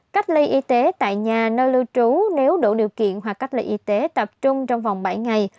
cách ly y tế tại nhà nơi lưu trú nếu đủ điều kiện hoặc cách ly y tế tập trung trong vòng bảy ngày